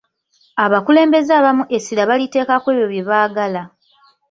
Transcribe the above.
Abakulembeze abamu essira baliteeka kw'ebyo bye baagala.